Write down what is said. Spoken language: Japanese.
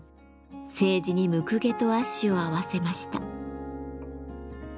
青磁にむくげと葦を合わせました。